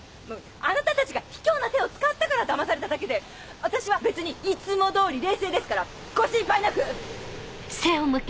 あなたたちが卑怯な手を使ったからだまされただけで私は別にいつも通り冷静ですからご心配なく！